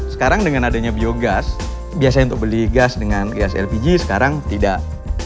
sekarang dengan adanya biogas biasanya untuk beli gas dengan gas lpg sekarang tidak